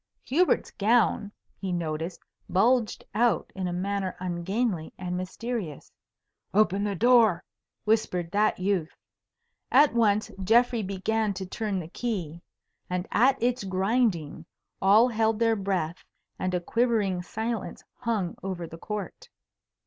Hubert's gown, he noticed, bulged out in a manner ungainly and mysterious. "Open the door," whispered that youth. At once Geoffrey began to turn the key. And at its grinding all held their breath, and a quivering silence hung over the court.